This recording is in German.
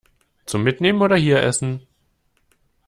Zum Mitnehmen oder hier essen?